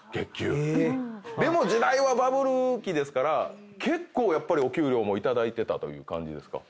でも時代はバブル期ですから結構やっぱりお給料も頂いてたという感じですか？